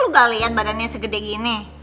lu gak liat badannya segede gini